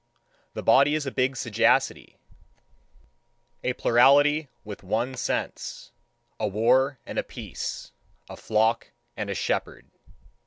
The body is a big sagacity, a plurality with one sense, a war and a peace, a flock and a shepherd.